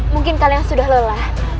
mungkin kalian sudah lelah